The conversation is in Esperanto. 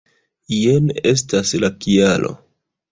Jen estas la kialo.